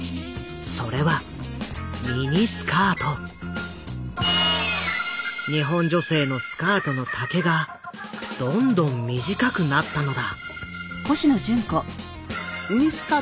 それは日本女性のスカートの丈がどんどん短くなったのだ。